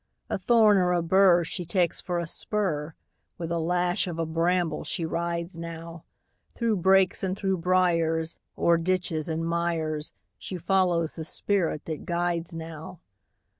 A thorn or a bur She takes for a spur; With a lash of a bramble she rides now, Through brakes and through briars, O'er ditches and mires, She follows the spirit that guides now.